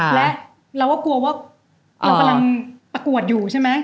และเราก็กลัวว่าเรากำลังประกวดอยู่ใช่ไหม